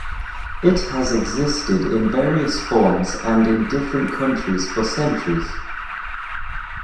It has existed in various forms and in different countries for centuries.